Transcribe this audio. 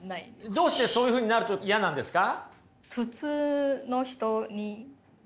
どうしてそういうふうになると嫌なんですか？